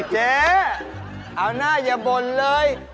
เจ๊เอาหน้าอย่าบ่นเลย